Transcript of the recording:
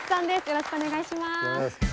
よろしくお願いします。